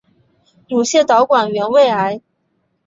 乳腺导管原位癌。